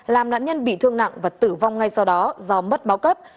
làm nạn nhân bị thương nặng và tử vong ngay sau đó do mất máu cấp